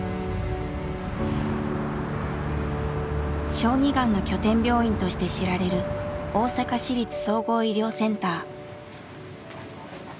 小児がんの拠点病院として知られる大阪市立総合医療センター。